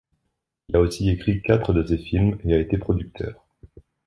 Il a aussi écrit quatre de ses films et a été producteur.